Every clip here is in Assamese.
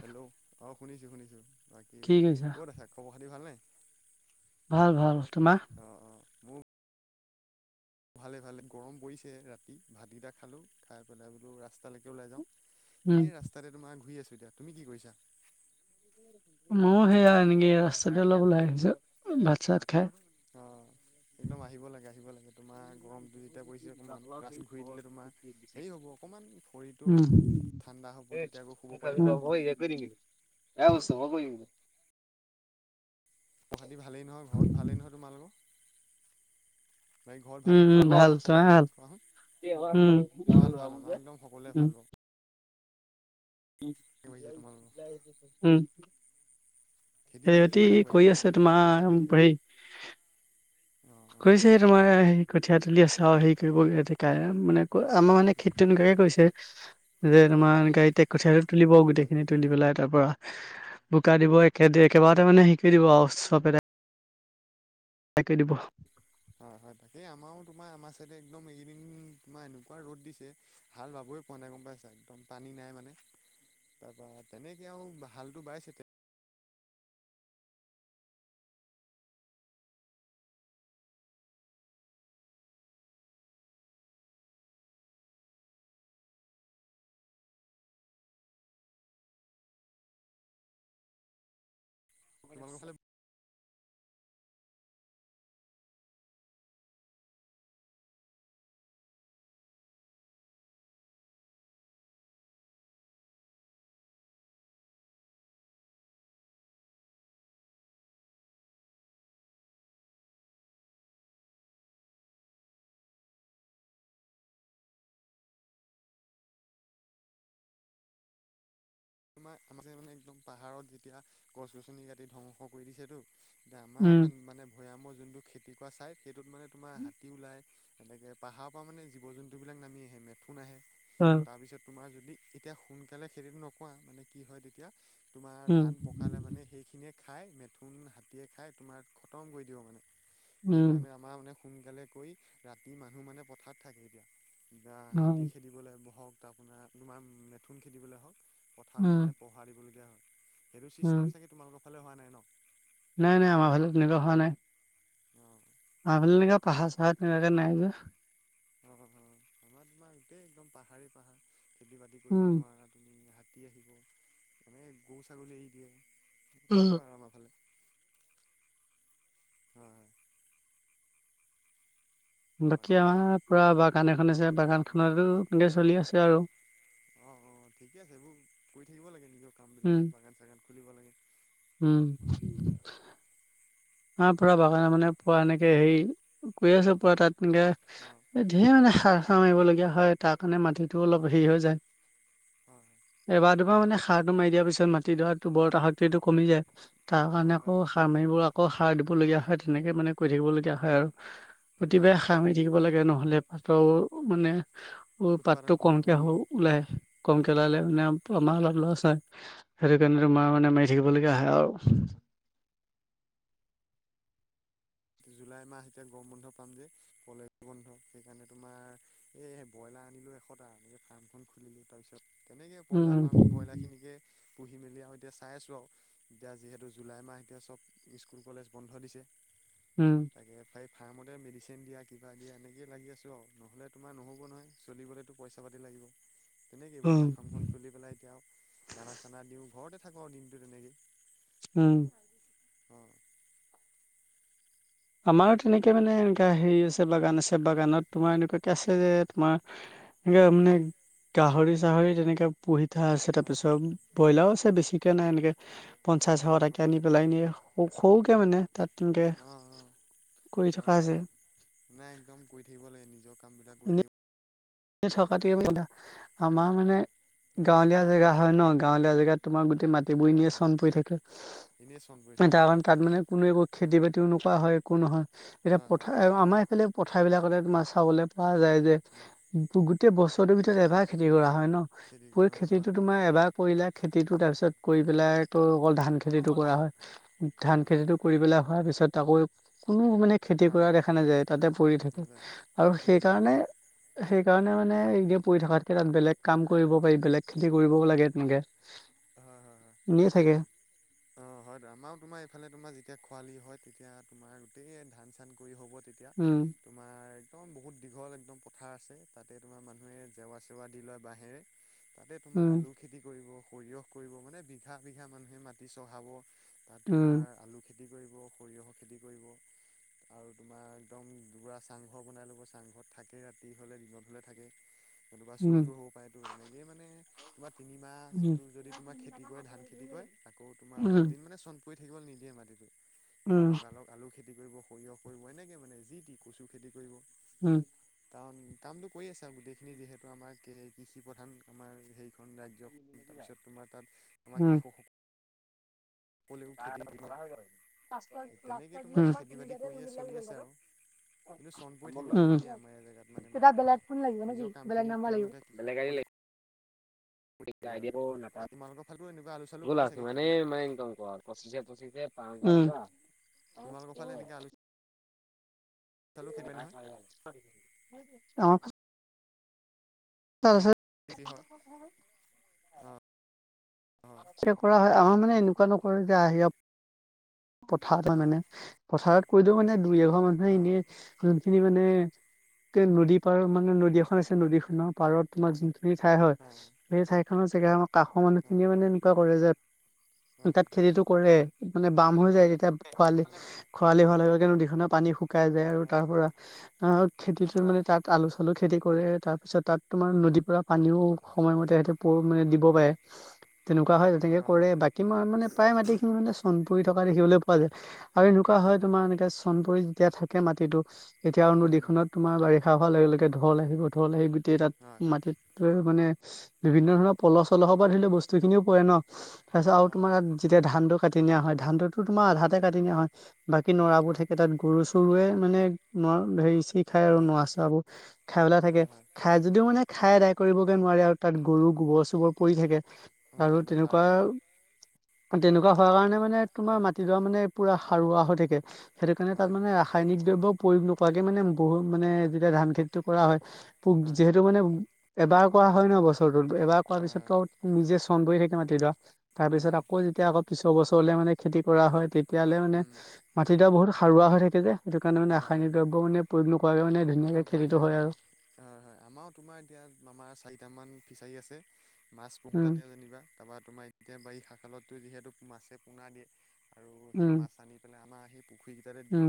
হেল্ল'। অ শুনিছো শুনিছো, বাকী ক'ত আছা? খবৰ খাতি ভালনে? ভাল ভাল তোমাৰ? ভালে ভালে গৰম পৰিছে ৰাতি, ভাতকেইটা খালোঁ খাই পেলাই বোলো ৰাস্তালৈকে ওলাই যাওঁ। এনেই ৰাস্তাতে তোমাৰ ঘূৰি আছো এতিয়া। তুমি কি কৰিছা? মও সেয়া এনেকে ৰাস্তাতে অলপ ওলাই আহিছো। ভাত চাত খাই। অ একদম আহিব লাগে আহিব লাগে তোমাৰ গৰম দুুইত। [unintelligible] এতিয়া পৰিছে অকণমান তাৰ পিছত, ঘূৰি দিলে তোমাৰ হেৰি হ'ব অকণমান শৰীৰটো ঠাণ্ডা হ'ব তেতিয়া। [unintelligible] কালি ইয়ে কৰি দিবি। এই ছফা কৰি দিবি তই। [unintelligible] পহাতি ভালেই নহয় ঘৰত ভালেই নহয় তোমালোকৰ। [unintelligible] বাকী ঘৰত ভালেই নহয় তোমালোকৰ খবৰ খাতি কোৱাচোন। ওম ওম। ওম। সিহঁতি কৰি আছে তোমাৰ হেৰী। কৰিছে তোমাৰ হেৰি কঠিয়া তুলি আছে আৰু হেৰি কৰিব কাইলৈ। মানে ক আমাৰ মানে খেতি এনেকুৱাকে কৈছে যে তোমাৰ গাড়ীতে কঠীয়া তুলিব। গোটেইখিনি তুলি পেলাই তাৰ পৰা বোকা দিব একে একেবাৰতে মানে হেৰি কৰি দিব আৰু চব এটা। তাকে দিব। হয় হয় তাকেই আমাৰো তোমাৰ আমাৰ চাইডে একদম এদিন তোমাৰ এনেকুৱা ৰ'দ দিছে ভাল ভাবোঁ। গৈ পোৱা নাই গম পাইছা একদম পানী নাই মানে। তাৰপা তেনেকে আৰু হালতটো বাইছে। তোমালোকৰ ফালে। তোমাৰ আমাৰ যে মানে একদম পাহাৰত যেতিয়া গছ গছনি কাটি ধ্বংস কৰি দিছেতো। এ আমাৰ মানে ভৈয়ামৰ যোনটো খেতি কৰা ছাইড সেইটোত মানে তোমাৰ হাতী ওলাই। এনেকৈ পাহাৰ পৰা মানে জীৱ জন্তুবিলাক নামি আহে মেথোন আহে তাৰপিছত তোমাৰ যদি এতিয়া। সোনকালে খেতিটো নকৰা মানে কি হয় তেতিয়া তোমাৰ ধান পকালে মানে সেইখিনিয়ে। খাই মেথুন হাতীয়ে খাই তোমাৰ খতম কৰি দিব মানে সেইকাৰণে আমাৰ মানে। সোনকালে কৈ ৰাতি মানুহ মানে পথাৰ থাকে এতিয়া বা হাতী খেদিবলৈ‌ হক। ত আপোনাৰ তোমাৰ মেথুন খেদিবলৈ হওঁক পথাৰত মানে পহৰা দিবলগীয়া হওঁক। [unintelligible] সেইটো চিষ্টেম চাগে তোমালোকৰ ফালে হোৱা নাই ন। নাই নাই আমাৰ ফালে এনেকা হোৱা নাই। আমাৰ ফালে এনেকা পাহাৰ চাহাৰ তেনেকা নাই যে। অ আমাৰ তোমাৰ গোটেই একদম পাহাৰেই পাহাৰ খেতি বাতি কৰিব নোৱাৰা তুমি। হাতী আহিব মানে গৰু ছাগলী এৰি দিয়ে এনেকুৱা আৰু আমাৰ ফালে। হয়। বাকী আমাৰ পুৰা বাগান এখন আছে বাগানখনতো এনেকে চলি আছে আৰু। অ অ ঠিকে আছে এইবোৰ কৰি থাকিব লাগে নিজৰ কাম বিলাক বাগান চাগান খুলিব লাগে। উম। অ পুৰা বাগান মানে পৰা এনেকে হেৰি কৰি আছোঁ পুৰা তাত। এনেকে ধেৰ মানে সাৰ সামৰিব লগীয়া হ'য় তাৰ কাৰণে মাটিত। [unintelligible] এইটো অলপ হেৰি হৈ যায় এবাৰ দুবাৰ মানে সাৰ। সাৰটো মাৰি দিয়াৰ পিছত মাটিডৰাতো বৰত আসত্তিটো কমি যায় তাৰ কাৰণে আকৌ সাৰ মাৰিবৰ। আকৌ সাৰ দিব লগগীয়া হয় তেনেকে মানে কৰি থাকিবলগীয়া হয়। আৰু প্ৰতিভাই সাৰ মাৰি থাকিব লাগে নহলে। ফাৰ্ষটও মানে। [unintelligible] পাতটো কমকে ওলাই কমকে ওলালে মানে আমাৰ অলপ লছ হয়। সেইটো কাৰণে মা মানে মাৰি থাকিবলগীয়া হ'য় আৰু। জোম। জুলাই মাহ এতিয়া গৰম বন্ধ পাম যে কলেজ বন্ধ সেইকাৰণে তোমাৰ এই ব্ৰইলাৰ আনিলোঁ এ। কটা এনেকৈ ফাৰ্মখন খুলিলোঁ তাৰপিছত তেনেকৈ ব্ৰইলাৰ ফাৰ্ম ব্ৰইলাৰ খিনিকে। পুহি মেলি আৰু এতিয়া চাই আছোঁ আৰু এতিয়া যিহেতু জুলাই মাহ এতিয়া চব স্কুল কলেজ বন্ধ দিছে। তাকে ফাই। ফাৰ্মতে মেডিচিন দিয়া কিবা দিয়া এনেকে লাগি আছোঁ আৰু নহ'লে, তোমাৰ নহ'ব নহয় চলিবলৈতো পইচা পাতি লাগে। কিয়। তেনেকেই ব্ৰইলাৰ ফাৰ্মখন খুলি পেলাই এতিয়া, আৰু দানা চানা দিওঁ ঘৰতে থাকোঁ আৰু দিনটো তেনেকৈই। উম। অ। আমাৰো তেনেকে মানে এনেকা হেৰি আছে বাগান আছে। বাগানত তোমাৰ এনেকুৱাকে আছে যে তোমাৰ। এ মানে গাহৰি চাহৰি তেনেকে পুহি। তাৰপিছত তাৰপিছত ব্ৰইলাৰো আছে বেছিকৈ নাই এনেকৈ পঞ্চাছশ টাকৈ আনি পেলাই এনেই। সৰুকে মানে তাত তেনকে। অঁ হয় নাই একদম কৰি থাকিব লাগে নিজৰ কামবিলাক কৰি থাকিব লাগ। থকা আমাৰ মানে গাঁৱলীয়া জেগা হয় ন। গাঁৱলীয়া জেগাত তোমাৰ গোটেই মাটিিব নিয়ে চন পৰি থাকে তাৰ কাৰণ তাত মানে কোনোৱ। খেতি বাতিও নকৰা হয় একো নহয় এতিয়া পথাৰ আমাৰ এইফালে পথাৰ বিলাকতে তোমাৰ চাবলে। পোৱা যায় যে গোটেই বছৰটোৰ ভিতৰত এবাৰ খেতি কৰা হয়। হয় ন প খেতিটো তোমাৰ এবাৰ কৰিলো খেতিটো তাৰ পিছত কৰি পেলাই আকৌ। অকল ধান খেতিটো কৰা হয় ধান খেতিতটো কৰি পেলাই হোৱাৰ পিছত তাকো। কোনো মানে খেতি কৰা দেখা নাযায় তাতে পৰি থাকে আৰু সেইকাৰণে। সেইকাৰণে মানে এদয়া পৰি থকাতকে তাত বেলেগ কাম কৰিব পাৰি বেলেগ খেতি কৰিবও লাগে তেনেকে। নিয়ে থাকে। অ হয় আমাৰও তোমাৰ এইফালে তোমাৰ যেতিয়া খোৱালি হয় তেতিয়া তোমাৰ গোটেই ধান চান কৰি হ'ব। তেতিয়া তোমাৰ। একদম বহুত দীঘল একদম পথাৰ আছে তাতে তোমাৰ মানুহে জেৱা চেৱা দি লয় বাঁহেৰে। তাতে তোমাৰ আলু খেতি কৰিব সৰিয়হ কৰিব মানে বিঘা বিঘা মানুহে মাটি চহাব। তাত তোমাৰ আলু খেতি কৰিব সৰিয়হ খেতি কৰিব। আৰু তোমাৰ একদম দুবুৰা চাংঘৰ বনাই লব চাংঘৰত থাকে ৰাতি হলে দিনত হলে থাকে। তেবা চুৰটো হ'ব পাৰে তো তেনেকেইে মানে তোম। তিনিমাহটো যদি তোমাৰ খেতি কৰে ধান খেতি কৰে আকৌ তোমাৰ অলপ দিন মানে চ। থাকিবলৈ নিদিয়ে মাটিটোো তোমাৰ লগাল আলু খেতি। খেতি কৰিব সৰিয়হ কৰিব এনেকে মানে যি কচু খেতি কৰিব। উম। কাৰণ কামটো কৰি আছে আৰু গোটেইখিনি যিহেতু আমাৰ কৃষি প্ৰধান আমাৰ হেৰি। ৰাজি তোমাৰ ত আমাৰ ক। ত ব হৈ গ। উম তেয়া বেলেগ ফোন লাগিব নেকি বেলেগ নাম্বাৰ লাগিবলে। আইডিটো নেপাম। ত মানে মানে কম ক পচিশ পচিশ পা। অ ক। অ। তাৰপাছত। আ কৰা হয় আহে। মে এনেকুৱা নকৰে যে আহি পথাৰত হয় মানে পথাৰত কৈ দিও মানে। দুই এঘ মানুহে এনে। খিনি মানে এ নদী পাৰত মানে নদী এখন আছে নদীখনৰ পাৰত তোমাক যোন। স ঠাই হয় সেই ঠাইখনৰ জেগা কাষৰ মানুহ খিনিয়ে মানে এনেকুৱা কৰে যে। তাত খেতিতটো কৰে মানে বাম হৈ যায়। তেতিয়া খৰাালি খৰালি ভাল হয়। নদিখনা পানী শুকাই যায় আৰু তাৰ পৰা আহ খেতিত মানে তাত আলু চালু খেতি। কৰে তাৰপিছত তাত তোমাৰ নদীৰ পৰা পানীও সময়মতে সেই। মানে দিব পাৰে তেনেকুৱা হয় তেনেকে কৰে বাকী মানে প্ৰায় মাটিখিনি মানে চ। ফুৰি থকা দেখিবলৈ পোৱা যায় আৰু এনেকুৱা হয় তোমাৰ এনেকয়া চনপুৰি যেতিয়া থাকে মাটিটো। এতিয়া আৰু নদীখনত তোমাৰ বাৰিষা হোৱাৰ লগে লগে ঢল আহিব ঢল আহিব গোটেই তাত মাটিত। মানে বিভিন্ন ধৰণৰ পলহ চলহৰ পৰা ধৰি লও বস্তু খিনিও পৰে ন। তাৰপিছত আৰু তোমাৰ ইাত যেতিয়া ধানটো কাটি নিয়া হয় ধানটোতো তোমাৰ আধাতে কাটি নিয়া হয়। বাকী নৰাবোৰ থাকে তাত গৰু চৰুৱে মানে ন হেৰি। সি খাই আৰু নৰাচোৱাবোৰ খাই পেলাই থাকে খাই। মানে খাই আদায় কৰিবগে নোৱাৰে আৰু তাত গৰু গোবৰ চোবৰ পৰি থাকে। আৰু তেনেকুৱা তেনেকুৱা হোৱাৰ কাৰণে মানে তোমাৰ মাটিডৰা মানে। পুৰা সাৰুৱা হৈ থাকে, সেইটো কাৰণে তাত মানে ৰাসায়নিক দ্ৰব্য। প্ৰয়োগ নকোৱাকে মানে বহুত মানে যেতিয়া ধান খেতিটো কৰা হয় প- যিহেতু মানে এবাৰ কৰা হয় ন বছৰটোত এবাৰ কৰাাৰ পিছতো নিজে। চন্দ পৰি থাকে মাতিটো, তাৰ পিছত আকৌ যেতিয়া আকৌ পিছৰ বছৰলে মানে। খেতি কৰা হয়, তেতিয়াহ'লে মানে মাটিটা বহুত সাৰুৱা হৈ থাকে যে। সেইটো কাৰণে মানে ৰাসায়নিক দ্ৰব্যও মানে প্ৰয়োগ নকোৱাকৈ মানে ধুনীয়াকে খেলো হয় আৰু- আমাৰও তোমাৰ এতিয়া আমাৰ চাৰিটামানক ফিছাৰী আছে মাছ পোহোঁ তাতে যেনিবা। তাৰপৰা তোমাৰ এতিয়া বাৰিষা কালতো যিহেতু মাছে পোনাৰা দিয়ে আৰু সেই মাছ আনি পেলাই আমাৰ। পুখুৰীকেইটাতে দিওঁ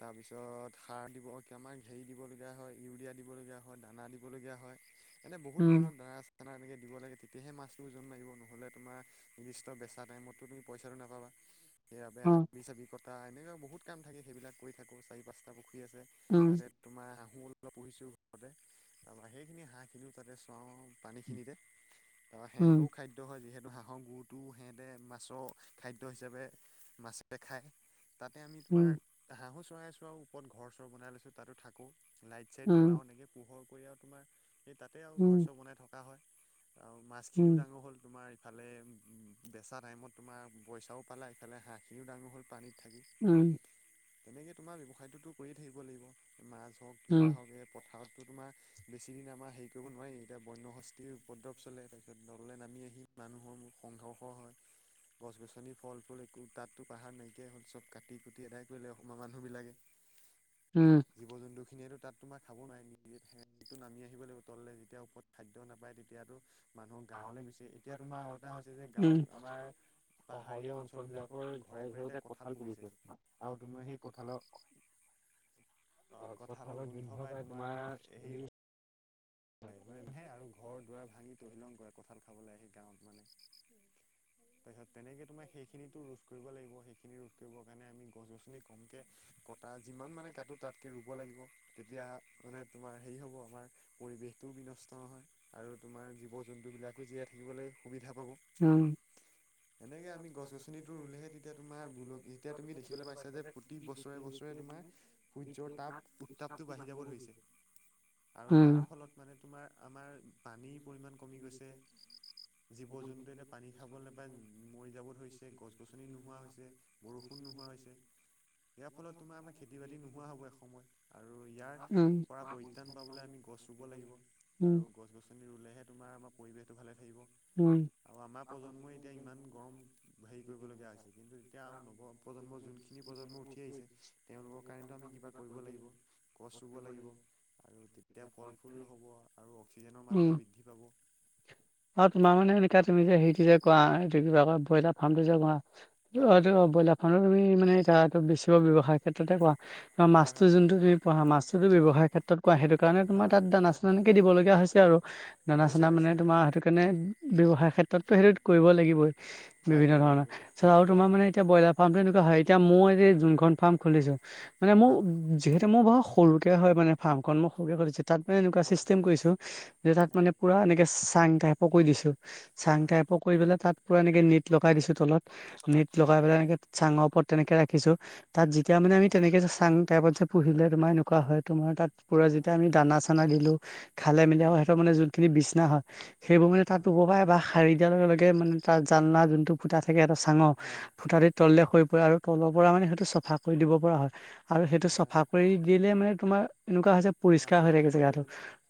তাৰপিছত সাৰ দিব, আমাৰ। হেৰি দিবলগীয়া হয় ইউৰিয়া দিবলগীয়া হয়, দানা দিবলগীয়া হয়, এনে বহুত ধৰণৰ দানা আ- চানা এনেকে দিব লাগে, তেতিয়াহে মাছটো ওজন বাহিব নহ'লে তোমাৰ নিৰ্দিষ্ট বেচা টাইমতো তুমি পইচাটো নাপাবা। সেইবাবে হাবি চাবি কটা এনেকুৱা বহুত কাম থাকে সেইবিলাক কৰি থাকোঁ, চাৰি, পাঁচটা পুখুৰী আছে তাতে। হাঁহো অলপ পুহিছোঁ ঘৰতে, তাৰপৰা সেইখিনি হাঁহখিনিও তাতে চোৱাওঁ পানীখিনিতে। অ সহঁতও খাদ্য হয় যিহেতু। এইটো হাঁহৰ গুটো সিহঁতে মাছৰ খাদ্য হিচাপে মাছে খায়। তাতে আমি তোমাৰ হাঁহু চৰাই চোৰা ওপৰত ঘৰ চৰ বনাই লৈছোঁ তাতো থাকোঁ। লাইট চাইট জ্বলাও এনেকে পোহৰ কৰি আৰু তোমাৰ এই তাতে আৰু ঘৰ চৰ বনাই থকা হয়। আৰু মাছখিনিও ডাঙৰ হ'ল তোমাৰ। ইফালে বেচা টাইমত তোমাৰ পইচাও পালে, ইফালে হাঁহখিনিও ডাঙৰ হ'ল পানীত। উম। তেনেকৈ তোমাৰ ব্যৱসায়টোতো কৰিয়ে থাকিব লাগিব, মাছ হওক কিবা হওক এই পথাৰত। তো তোমাৰ বেছিদিন আমাৰ হেৰি কৰিব নোৱাৰি, এতিয়া বন্যশস্তিৰ উপদ্ৰৱ চলে, তাৰপিছত নললৈ নামি আহি। মানুহৰ মোক সংঘৰ্ষ হয়। গছ গছনি ফল- ফুল একো তাততো পাহাৰ নাইকিয়াই হ'ল, চব কাটি কুটি এদাই কৰিলে অসমৰ মানুহ বিলাকে। জীৱ জন্তু খিনিয়েটো। তাত তোমাৰ খাব নোৱাই, নিজে সটো নামি আহিব লাগিব তললৈ যেতিয়া ওপৰত খাদ্য নাপায় তেতিয়াতো মানুহৰ গাঁৱলৈ গুছে, এতিয়া তোমাৰ আওতটা হৈছে যে গাঁৱ আমাৰ। পাহাৰীয়া অঞ্চল বিলাকৰ ঘৰে ঘৰে এতিয়া কঁঠাল পকিছে আৰু তোমাৰ সেই কঠালৰ- অ কঁঠালৰ গোন্ধ পাই তোমাৰ হেৰি। মাইধে আৰু ঘৰ দুৱাৰ ভাঙি। তহিলং কৰে, কঁঠাল খাবলৈ আহি গাঁৱত মানে। তাৰপিছত তেনেকে তোমাৰ সেইখিনিতো ৰোধ কৰিব লাগিব, সেইখিনি ৰোধ কৰিবৰ কাৰণে আমি গছ -গছনি কমকে ক- তা যিমান মানে কাটো তাত- ৰুব লাগিব, তেতিয়া মানে তোমাৰ হেৰি হ'ব আমাৰ পৰিৱেশটোও বিনষ্ট নহয় আৰু তোমাৰ। [unintelligible] এনেকে আমি গছ গছনি টো ৰুলেহে তেতিয়া তোমাৰ এতিয়া তুমি দেখিবলৈ পাইছা যে প্ৰতি বছৰে বছৰে। তোমাৰ সূৰ্যৰ তাপ উত্তাপটো বাঢ়ি যাব ধৰিছে। আৰু তাৰ ফলত মানে তোমাৰ আমাৰ পানীৰ পৰিমাণ কমি গৈছে, জীৱ জন্তু এতিয়া পানী খাব নাপায় মৰি যাব ধৰিছে, গছ গছনি নোহোৱা হৈছে, বৰষুণ- নোহোৱা হৈছে, ইয়াৰ ফলত তোমাৰ আমাৰ খেতি বাতি। নোহোৱা হব এক সময়ত আৰু ইয়াৰ পৰা প্ৰত্যান পাব আমি গছ লাগিব আৰু- গছ গছনি ৰুলেহে তোমাৰ আমাৰ পৰিৱেশটো ভালে। উম। আৰু আমাৰ প্ৰজন্মই এতিয়া ইমান গৰম হেৰি কৰিবলগীয়া হৈছে, কিন্তু এতিয়া আৰু নৱপ্ৰজন্মৰ যোনখিনি। প্ৰজন্ম উঠি আহিছে তেওঁলোকৰ কাৰণ। কিবা কৰিব লাগিব, গছ ৰুব লাগিব, তেতিয়া ফল ফুল হব আৰু। পিজনৰ মাত্ৰা বৃদ্ধি পাব। আৰু তোমাৰ মানে এনেকা তুমি যে হেটো যে ক এইটো কা ব্ৰইলাৰ ফাৰ্মটো যে কৰা। ব্ৰইলাৰ ফাৰ্মো তুমি মানে এ বেছিব ব্যৱসায় ক্ষেত্ৰতে কোৱা। মাছটো যোনটো তুমি পঢ়া মাছটোতো ব্যয়ৱসায়াৰ ক্ষেত্ৰত কোৱা সেইটো কাৰণে তোমাৰ তাঁত দানা চানা এনেকে দিব লগা হৈছে আৰু দানা চানা মানে তোমাৰ সেইটো সেইকাৰণে ব্যৱসাৰ ক্ষেত্ৰততো সেইটো কৰিব লাগিবই। বিভিন্ন ধৰণৰ তাৰপাছত আৰু তোমাৰ মানে এতিয়া বইলাৰ ফাৰ্মটো। হয় এতিয়া মই যে যোনখন ফাৰ্ম খুলিছো মানে মোৰ যিহেতু, মোৰ বাৰু সৰুকে হয় মানে ফাৰ্মখন মই সৰুকে খুলিছিলোঁ। তাঁত মানে এনেকুৱা চিষ্টেম কৰিছোঁ যে তাঁত মানে পুৰা এনেকে চাং তাইপৰ কৰি দিছোঁ। চাং টাইপ কৰি পেলাই তাত পুৰা এনেকে নেট লগাই দিছো তলত নেট লগাই পেলাই এনেকে। চাঙৰ ওপৰত তেনেকে ৰাখিছো তাত যেতিয়া মানে আমি তেনেকে চাং টাইপত যে পুহিলে তোমাৰ এনেকুৱা হয় তোমাৰ তাত পুৰা যেতিয়া আমি দানা চানা দিলোঁ। খালে মেলিলে সিহঁতৰ মানে যোনখিনি বিছনা হয় সেইবোৰ মানে তাত ৰুব পাৰে বা- সাৰি দিয়াৰ লগে লগে মানে তাৰ জালনা যোনটো ফুটা থাকে এটা চাঙৰ ফুটাটো তলদি- হৈ পৰে আৰু তলৰ পৰা মানে সেইটো চফা কৰি দিব পৰা হয় আৰু সেইটো চাফা কৰি দিলে মানে তোমাৰ এনেকুৱা হৈছে পৰিষ্কাৰ হৈ থাকে জেগাটো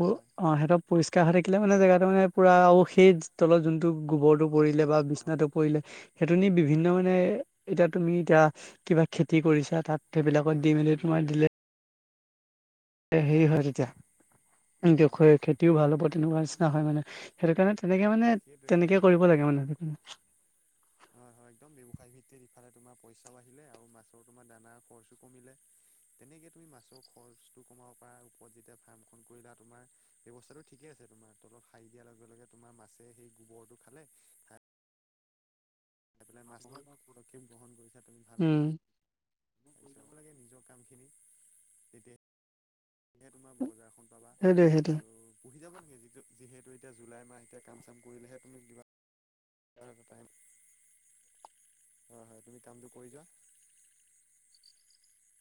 অ সিহঁত পৰিষ্কাৰ হৈ থাকিলে মানে জেগাটো মানে পুৰা আৰু সেই তলত যোনটো গোবৰটো পৰিলে বা বিছনাটো পৰিলে সেইটো নি বিভিন্ন মানে এতিয়া তুমি এতিয়া কিবা খেতি কৰিছা তাত সেইবিলাকত দি মেলি তোমাৰ দিলে। এ হেৰি হয় তেতিয়া। খেতিও ভাল হ'ব তেনেকুৱা নিচিনা হয় মানে সেইটো কাৰণে তেনেকে মানে তেনেকে কৰিব লাগে। হৈ নায় [inaudible] পইচা বাঢ়িলে আৰু মাছৰ তোমাৰ দানা খৰচো কমিলে তেনেকে তুমি মাছৰ খৰচটো কমাব পাৰ [inaudible] সেই গোবৰটো খালে খাই। উম। তাৰপিছত লাগে নিজৰ কামখিনি তেতিয়া সে তোমাৰ বজাৰখন সেইটোৱে সেইটোৱে পুহি যাব লাগে যিটো যিহেতু এয়া জুলাই মাহ এতিয়া কাম চাম কৰিলেহে। তুমি দিবা এটা টাইম। হয় হয় তুমি কামটো কৈ যোৱা।